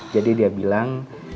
jadi dia bilang